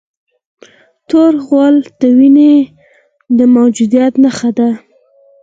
تور غول د وینې د موجودیت نښه ده.